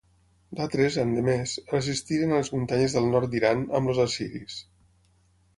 D'altres, endemés, resistiren a les muntanyes del nord d'Iran amb els assiris.